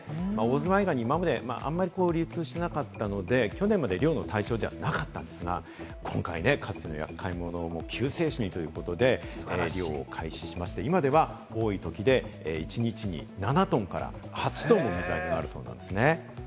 オオズワイガニ、今まであんまり流通していなかったので、去年まで漁の対象じゃなかったんですが、今回、厄介者を救世主にということで、漁を開始して、今では多いときで一日に７トンから８トンが取れるそうなんですね。